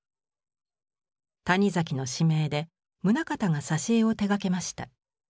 谷崎の指名で棟方が挿絵を手がけました。